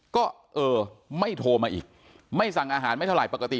ก็เออไม่โทรมาอีกไม่สั่งอาหารไม่เท่าไหร่ปกติ